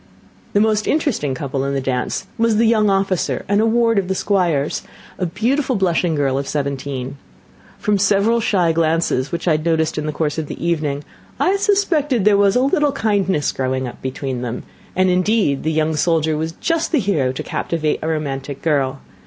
The most interesting couple in the dance was the young officer and a ward of the Squire's, a beautiful blushing girl of seventeen. From several shy glances which I had noticed in the course of the evening, I suspected there was a little kindness growing up between them; and, indeed, the young soldier was just the hero to captivate a romantic girl.